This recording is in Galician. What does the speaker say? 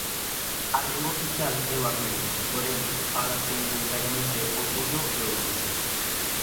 A lingua oficial é o armenio; porén, fálase minoritariamente o kurdo e o ruso.